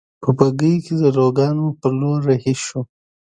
په بګۍ کې د لوکارنو په لور رهي شوو.